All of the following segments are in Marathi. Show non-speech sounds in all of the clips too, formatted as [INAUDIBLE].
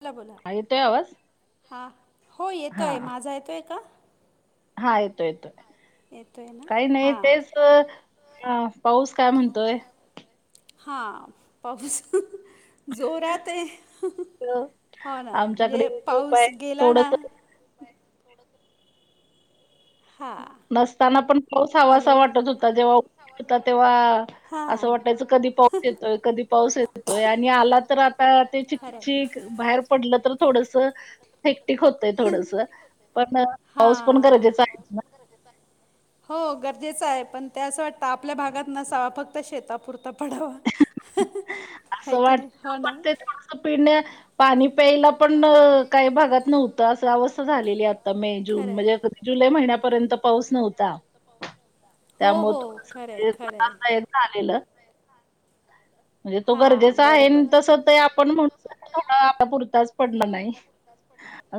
बोला बोला. आ येतोय आवाज? हा, हो हा येतोय, माझा येतोय का? हा येतो येतोय. येतोय ना काही नाही हां तेच, तं पाऊस काय म्हणतोय? हा पाऊस जोरात आहे, हं हं तर हो ना, आमच्याकडे म्हणजे खूप आहे पाऊस गेला ना थोडस हां नसताना पण पाऊस हवाहवासा हॅलो वाटत होता, जेव्हा होता तेव्हा असं वाटायचं, कधी पाऊस हां येतोय कधी पाऊस येतोय, आणि आला तर आता ते चिक खरं आहे चिक बाहेर पडलं तर थोडसं हेक्टिक होतंय थोडसं, पण पाऊस पण हां गरजेचं आहे ना. हो गरजेचं आहे, पण ते असं वाटतं आपल्या भागात नसावा, फक्त शेतापुरता पडावा. आहे की नाही,, हो ना. पासपिडण्या पाणी प्यायला पणं काही भागात नव्हतं, असं अवस्था झालेली आता मे जून खरंय म्हणजे जुलै महिन्यापर्यंत पाऊस नव्हता. हो त्यामुळं हो थोडसं खरंय ते खरंय त्रासदायक झालेलं. म्हणजे तो हां गरजेचा आहे, बरोबर न तसं ते आपण म्हण थोडा आता पुरताच पडला नाही.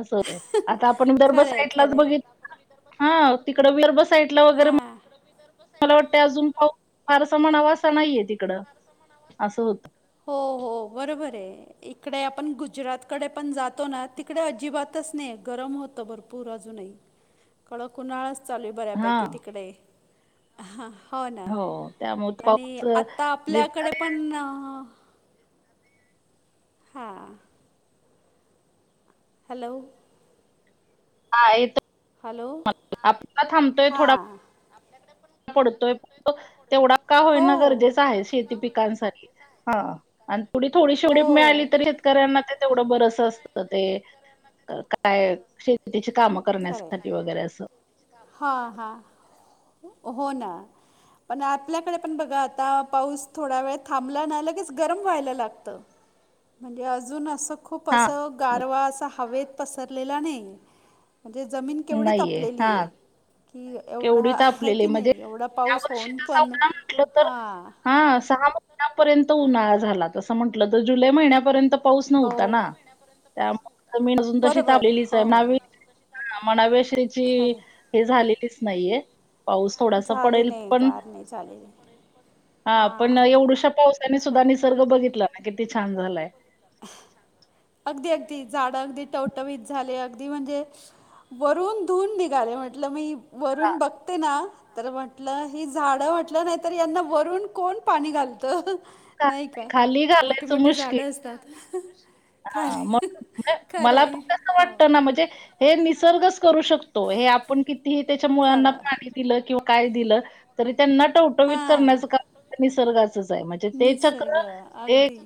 असं होतय, आता आपण विदर्भ खरंय साईडलाच खरंय बघितलं हां, तिकड विदर्भ साईडला वगैरे हा. मला वाटतंय अजून पाऊस फारसा म्हणावासा नाहीये तिकडं, असं होतं. हो हो बरोबर आहे. इकडे आपण गुजरातकडे पण जातो ना तिकडे अजिबातच नाही गरम होतं भरपूर. पूर अजून. कडक उन्हाळाच चालू आहे हां, बऱ्यापैकी तिकडे ही. हा हो ना हो त्यामुळे आणि पाऊस अ, आता जितका आपल्याकडे पण हा हॅलो हा येतोय. हॅलो [UNINTELLIGIBLE] थांबतोय थोडा हां पडतोय पण तेवढा का हो होईना गरजेचं आहे शेती पिकांसाठी. हा आणि पुढे थोडी हो [UNINTELLIGIBLE] मिळाली तरी. तकऱ्यांना ते तेवढं बरस असत ते काय शेतीची काम. करण्यासाठी वगैरे असं. हा हा हो ना. पण आपल्याकडे पण बघा आता. पाऊस थोडा वेळ थांबला ना लगेच गरम व्हायला लागतं. म्हणजे अजून असं खूप हा असं गारवा असा हवेत पसरलेला नाही. म्हणजे जमीन केवढी तपलेली आहे. की एवढी एवढा आहे तापलेली की म्हणजे नाही एवढा या पाऊस वर्षी होऊन [UNINTELLIGIBLE] दिल तर पण उन्हाळा म्हटलं तर हां हा सहा. त्यापर्यंत उन्हाळा झाला. तसं म्हटलं तर जुलै महिन्यापर्यंत. पाऊस नव्हता हो ना. त्यामुळे जमीन अजून तशी बरोबर तापलेलीच आहे. हो हा आम्हाला [UNINTELLIGIBLE] खरं हे झालेलीच नाहीये. पाऊस थोडासा झाली पडेल. नाही पण, गार नाही झालेली हा पण हां एवढ्या पाऊस त्यांनी सुद्धा निसर्ग बघितला ना किती छान झालाय. अगदी अगदी झाडं अगदी टवटवीत झाले अगदी म्हणजे वरून धुन निघाले. म्हटलं मी हां वरून बघते ना! तर म्हंटलं ही झाड म्हटलं नाही तर, यांना वरून कोण पाणी घालत. नाही घाल का खाली मोठे घालायचं मोठे झाड असतात हा खाली मग खरं मला आहे पण कसं हो वाटतं ना म्हणजे हे निसर्गच करू शकतो हे आपण कितीही त्याच्या मुळंना खरं पाणी दिलं किंवा काय दिलं तरी त्यांचा उवटवीत हां करण्याचं काम निसर्गाचच आहे म्हणजे ते निसर्ग चक्र ते अगदी.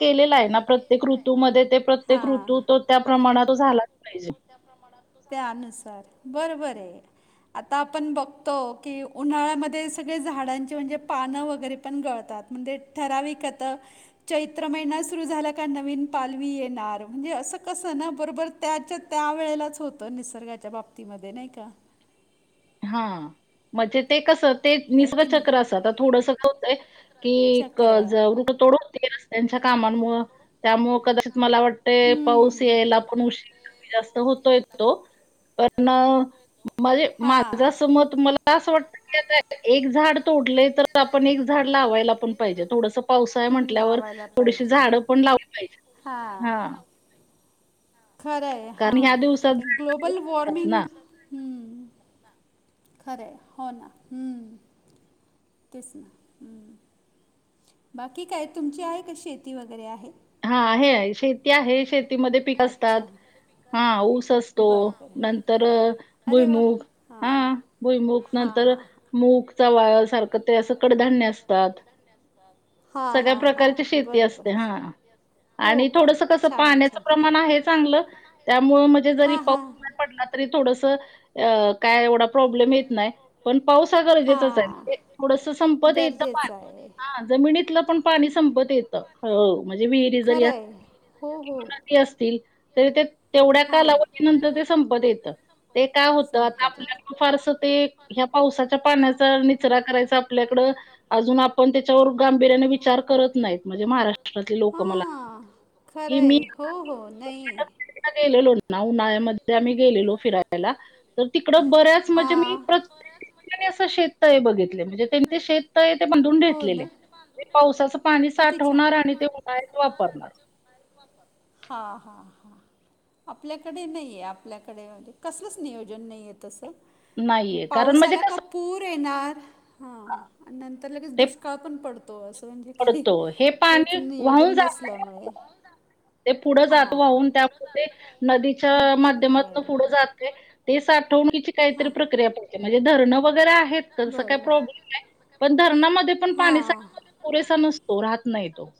केलेलं आहे. ना प्रत्येक ऋतूमध्येते प्रत्येक हां ऋतू तो त्या प्रमाणात झालाच पाहिजे त्यानुसार बरोबर ये. आता आपण बघतो की उन्हाळ्यामध्ये सगळे झाडांची म्हणजे पानं वगैरे पण गळतात. म्हणजे ठराविक आता चैत्र महिना सुरू झाला का नवीन पालवी येणार. म्हणजे असं कसं ना बरोबर त्याच्यात त्या वेळेलाच होतं निसर्गाच्या बाबतीमध्ये नाही का? हा म्हणजे ते कस ते आहे की नाही निसर्गचक्र असं आता थोडस काय होतय कि चक्र ज [UNINTELLIGIBLE] तोडून होते रस्त्यांच्या कामांमुळं तत्यामूळ कदाचित मला वाटते पाऊस हम्म. यायला पण उशीर जास्त होतोय तो. पण म्हणजे मा हा. मत मला असं वाटतं एक झाड तोडले तर आपण एक झाड लावायला पण पाहिजे. थोडस पावसाळा आहे म्हटल्यावर लावायला आता पाहिजे. थोडीशी पाऊस झाड पण लावली पाहिजे. हा खरं आहे. कारण ह्या हां दिवसात ते झाडं ग्लोबल वॉर्मिंग ना. हम्म, खरं हो ना हम्म. तेच ना हम्म. बाकी काय तुमची आहे का शेती वगैरे आहे? हा आहे शेती आहे शेतीमध्ये पीक असतात. अच्छा हा ऊस असतो बरं बरं नंतर अरे वा भुईमुग. हां हा भुईमूग हां नंतर हां मूगचा वाया सारखं ते अस कडधान्य असतात हां सगळ्या हां हां प्रकारची बरं शेती बरं असते हा. हो आणि का थोडस कसं छान पाण्याचं छान प्रमाण आहे चांगलं त्यामुं म्हणजे जरी हां हां पाऊस पडला तरी थोडस काय एवढा प्रॉब्लेम येत नाही. पण पावसा हा गरजेचच आहे हां ते थोडस संपत येतं गरजेचं पाणी आहे हा जमिनीतलं पण पाणी संपत येत म्हणजे विहिरी जरी खरं आहे हो हो अस असतील त ते तेवढ्या हां ते कालावधी नंतर ते संपत येत. ते काय होतं आता आपल्याकं फारस ते ह्या पावसाच्या पाण्याचा निचरा करायचा आपल्याकडं अजून आपण त्याच्यावर गांभीर्याने विचार करत नाहीत म्हणजे महाराष्ट्रातले लोक लोकं मला [UNINTELLIGIBLE] हां इथले लोक म्हणजे खरं हे मी आहे हो हो नाही [UNINTELLIGIBLE] गेलेलो ना. ना उनळ्यामध्ये आम्ही गेलेलो फिरायला तर तिकडं बऱ्याच म्हणजे मी हा. प्र परत [UNINTELLIGIBLE] नी असं शेतत आहे बघितले म्हणजे त्यांचे शेतत आहे ते बांधून हो ठेेतलेले. ना. ते पावसाचं पाणी किती साठवणार आणि ते वापणार. हा-हा-हा. आपल्याकडे नाहीये आपल्याकडे म्हणजे कसलंच नियोजन नाही आहे तसं. नाही म्हणजे नाहीये कारण पाऊस आला का कसं पूर येणार. हा आणि नंतर लगेच ते दुष्काळ पण पडतो. तो असं म्हणजे काही पडतो हे हेच पाणी वाहून नियोजन जातंय नसल्यामुळे. ते पुढं जात हां. वाहून त्यामुळे ते नदीच्या बरं माध्यमातून पुढं बरं. जात ते ते साठवणीची काहीतरी हा. प्रक्रिया पाही म्हणजे धरणं वगैरे आहेत तरसं बरं, काही बरं. प्रॉब्लेम नाही पण धरणामध्ये पण पाणी सा हा. पुरेसा नसतो राहात नाही तो.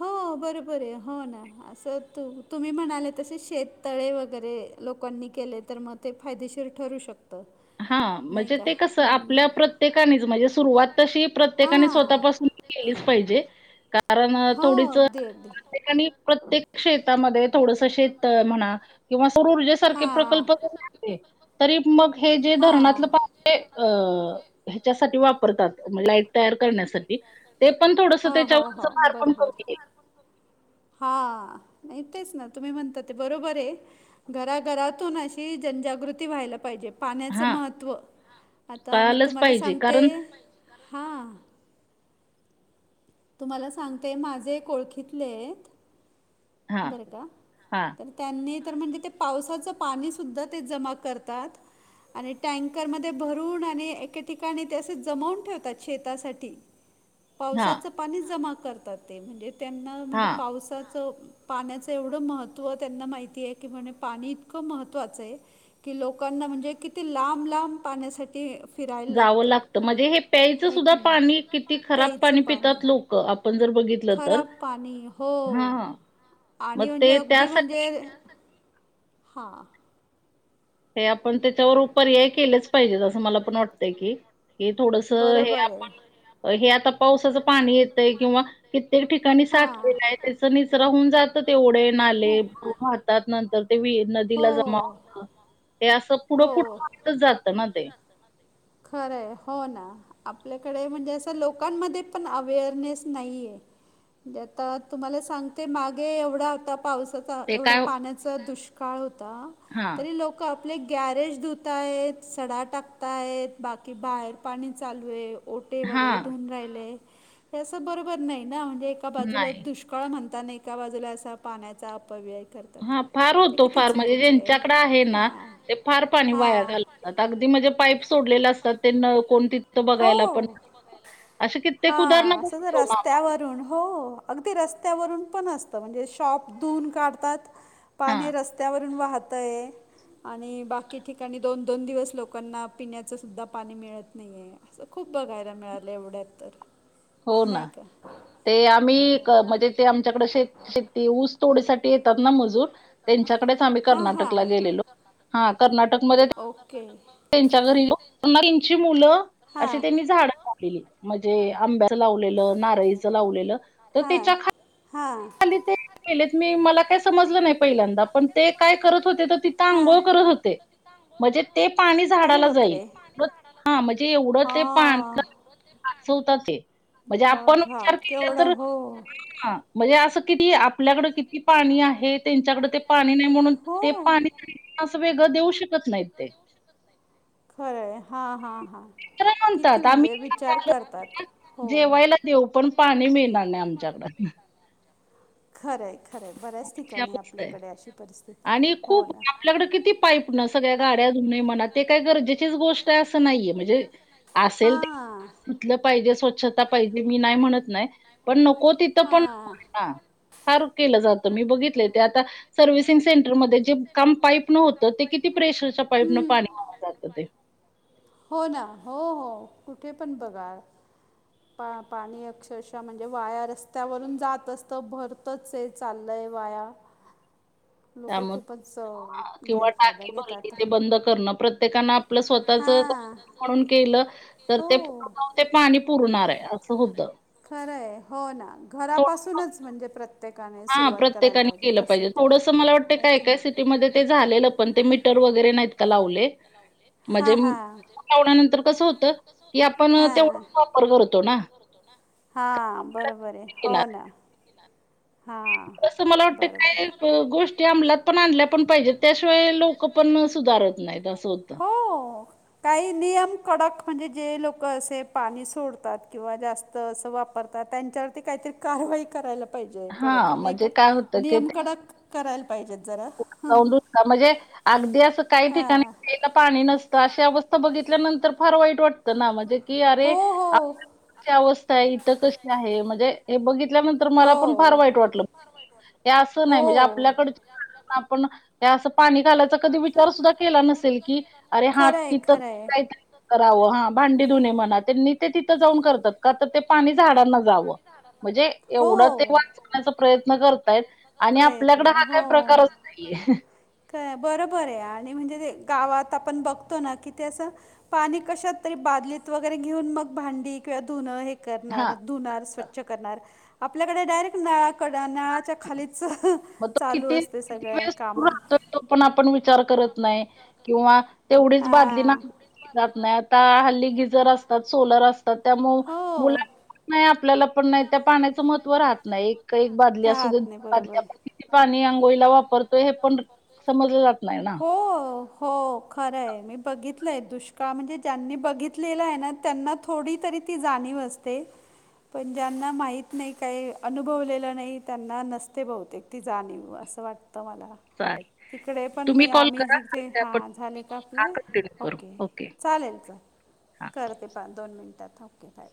हो बरोबर आहे हो ना. असं तु तुम्ही म्हणाले तसे शेततळे वगैरे लोकांनी केले तर मग ते फायदेशीर ठरू शकतं. हा नाही म्हणजे का? ते कसं हां, म्हणजे आपल्या प्रत्येकानेच म्हणजे सुरुवात तशी प्रत्येकाने हां. सुरुवातच स्वतःपासून केलीच पाहिजे कारण थोडीच हो, अगदी, कारण अगदी. अ, प्रत्येक शेतामध्ये थोडसं शेततळ म्हणा किंवा सारखे हां. प्रकल्प जरी आणले तुम्ही तरी आजकाल मग हे जे हां. धरणातलं येतात, हो, म्हणजे पाणी अ ह्याच्यासाठी वापरतात मग लाईट तयार करण्यासाठी. ते पण थोडसं हो, पण हो. त्याच्या वरचं थोडंसं भार पण करून घे. हा नाही तेच ना तुम्ही म्हणता ते बरोबर आहे. घराघरातून अशी जनजागृती व्हायला पाहिजे. पाण्याचं हा महत्त्व आता मी कळालंच तुम्हाला पाहिजे सांगते कारण हां. तुम्हाला सांगतेय माझे एक ओळखीतले आहेत हा बरं का हा तर त्यांनी तर म्हणजे ते पावसाचं पाणी सुद्धा ते जमा करतात. आणि टँकरमध्ये भरून आणि एके ठिकाणी ते असं जमवून ठेवतात शेतासाठी. [UNINTELLIGIBLE] पावसाचं पाणी जमा करतात ते म्हणजे त्यांना म्हणजे हा पाऊस च पाण्याचं एवढं महत्व महत्त्व त्यांना माहिती आहे. की म्हणे, पाणी इतकं महत्त्वाचं आहे. की लोकांना म्हणजे किती लांब-लांब पाण्यासाठी जावं लागतं म्हणजे हे प्यायचं हे सुद्धा की नाही पाणी किती खराब पाणी पितात लोक आपण जर बघितलं तर, खराब पाणी हो हां हां मग आणि म्हणजे ते अगदी त्यासाठी म्हणजे हां. हे आपण त्याच्यावर उप पर्याय केलेच पाहिजेत, असं मला पण वाटतंय की, हे थोडसं हे बरोबर आहे. आपण, हे आता पावसाचं पाणी येतंय किंवा, कित्येक ठिकाणी इतक्या साठवले आहे, त्याचं निचरा होऊन जातं ते ओढे-नाले वाहत त्यात नंतर ते विहिर, नदीला जमा पिकं होत. ते असं पुढ पुढ, हो. वाढतच जातं ना ते. खरंय. हो, ना. आपल्याकडे म्हणजे असं लोकांमध्ये पण, अवेअरनेस नाहीये. म्हणजे आता तुम्हाला सांगते, मागे एवढा होता पावसात ते एवढा काय पाण्याचा दुष्काळ होता, हा तरी लोकं आप आपले गॅरेज धुत आहेत, सडा टाकताय आहेत. बाकी बाहेर पाणी चालू आहे, ओेटे हा वगैरे धूवून राहिले, हे असं बरोबर नाही ना? म्हणजे एका बाजूला, नाही दुष काळ म्हणता, अन एका बाजूला असा पाण्याचा अपव्यय करतात हां, फार ते होतो किती फार, म्हणजे चुकीचं ज्यांच्याकडे आहे ना, हां ते फार पाणी वाया हां घाल आता अगदी म्हणजे, पाईप सोडलेले असतात. ते नळ कोण तिथं बघायला पण हो असे कित्येक उदाहरणं, हां, असं जर बघतो ना आपण. रस्त्यावरून हो, अगदी रस्त्यावरून पण असतं. म्हणजे शॉप धुवून काढतात, हा पाणी रस्त त्यावरून वाहतंय. आणि बाकी ठिकाणी, दोन-दोन दिवस लोकांना पिण्या च सुद्धा पाणी मिळत नाहीये. असं खूप बघायला मिळालं, एवढ्यात तर. हो, नाही ना. का? ते आम्ही हो. म्हणजे, ते आमच्याकडे शेती ती ऊस तोडीसाठी येतात ना मजूर त्यांच्याकडेच, आम्ही हां, कर्नाटकला हां. गेलेलो. हां, कर्नाटकमध्ये ते ओके. त्यांच्या घरी गेलो. त्यांची मुलं, हां. अशी त्यांनी झाडं म्हणजे आंब्याचं लावलेलं, नारळीच च लावलेलं, तर हां त्याच्या हां. खाली ते गेलेत. मी, मला काय समजलं नाही पहिल्यांदा. पण ते काय करत होते? तर तिथ अंघोळ करत होते, मजेत. ते पाणी म्हणजे झाडाला जाईल. ते मत हां, म्हणजे तिथं एवढं ते पाण्याला म्हणजे वाचवतात ते. म्हणजे आपण बघा विचार केला केवढं तर, हो. तर हा हां. म्हणजे असं किती? आपल्याकडं किती पाणी आहे? त्यांच्याकडे ते पाणी नाही, म्हणून ते पाणी असं, वेगळं देऊ शकत नाहीत ते. ली, हां. हां. हां. खरं किती म्हणतात, आम्ही म्हणजे विचार इथ करतात हो. जेवायला देऊ, पण पाणी मिळणार नाही आम विचारतात ना. खरंय आहे खरंय. बऱ्याच अशी ठिकाणी अवस्था आहे. आपल्याकडे अशी परिस्थिती, हो ना, आणि पाईपन सगळ्या गाड्या धुणे म्हणा, ते काही गरजेचीच गोष्ट आहे असं नाहीये. म्हणजे असेल ते हां धुतलं पाहिजे, स्वच्छता पाहिजे, मी नाही म्हणत नाही. पण नको तिथं पण हां फार केलं जातं. मी बघितले ते आता- सर्व्हिसिंग सेंटरमध्ये जे काम पाईप न होतं, ते किती प्रेशरच्या पाईप न पाणी वाया जातं ते, हो, ना. हो.. हो, कुठे पण बघा? पा-पाणी अक्षरशः म्हणजे वाया रस्त्यावरून जात असतं, भरतंच आहे. चाललंय वाया. लोक त्यामुळे खूपच अं किंवा गैरफायदा टाकी घेतात. भरली ते बंद करणं, प्रत्येकानं आप आप स्वतःच आपलं म्हणून. केलं तर ते हो. ते पाणी पुरणार आहे असं होतं. खरंय हो ना घरापासूनच म्हणजे प्रत्ये. हा प्रत्येकाने केलं पाहिजे थोडंस मला वाटतं का एकाय सिटीमध्ये ते झालेलं. पण ते मीटर वगैरे नाहीत का लावले. हा हा. ंतर कस होत की आपण तेवढ वापर करतो ना. हा बरोबर आहे येणार. हो ना हा. असं मला वाटतं काही गोष्टी अंमलात पण आणल्या पण पाहिजेत त्याशिवाय लोक पण सुधारत नाहीत अस. होत. हो. काही नियम. कडक म्हणजे जे लोक असे पाणी सोडतात किंवा जास्त अस वापरतात त्यांच्या. काहीतरी कारवाई करायला पाहिजेत हां, नाही म्हणजे का काय होतं, की नियम ते कडक कराय. पाहिजेत जरा. म्हणजे अगदी असं काही ठिकाणी. हां. पाणी नसतं अशी अवस्था बघितल्यानंतर‌. फार वाईट वाटतं ना म्हणजे की अरे हो आपल्याला. कशी अवस्था आहे इथं कशी आहे म्हणजे. हे बघितल्यानंतर मला पण फार हो हो वाईट वाटलं हे असं नाही म्हणजे हो आपल्याकड. आपण. त्या असं पाणी घालायचा कधी विचार सुद्धा केला नसेल की अरे हात खरं आहे खरं आहे तिथंय. करावं हा भांडी धुणे म्हणा त्यांनी ते तिथं जाऊन करतात का तर ते पाणी झाडांना जावं. म्हणजे एवढं ते म्हणजे वाचण्याचा प्रयत्न करतायत आणि प्रयत्न आपल्याकडे हा काय प्रकार नाही. ह. का बरोबर आहे आणि म्हणजे ते गावात आपण बघतो ना की ते असं. पाणी कशात तरी बादलीत वगैरे घेऊन मग भांडी. धुणार हे हा करणार करतात स्वच्छ करणार आपल्याकडे डायरेक्ट नळा खाली कड नळाच्या खालीच मग तो चालू किती असते किती सगळे वेळ काम. सुरू राहतोय तो पण आपण विचार करत नाही किंवा तेवढीच बाधली हा नाही. जात नाही आता हल्ली गिजर असतात सोलर असतात त्यामु हो मुला. नाही आपल्याला पण नाही त्या पाण्याचं महत्त्व राहत नाही एक एक बादली असू दे राहत नाही बरोबर बादली. आहे किती पाणी अंघोळीला वापरतोय हे पण समजलं जात नाही ना. हो हो खरं आहे मी बघितलंय दुष्काळ म्हणजे ज्यांनी बघितलेला आहे ना त्यांना थोडी तरी ती जाणीव असते. ते. पण ज्यांना माहीत नाही काही अनुभवलेलं नाही त्यांना नसते बहुतेक ती जाणीव असं वाटते. मला चालेल तिकडे. पण तुम्ही मी कॉल आम्ही करा जिथे त्या हां झाले का आपले हां कंटिन्यू करू ओके चालेल चालेल हां. करते पा दोन मिनटात ओके बाय.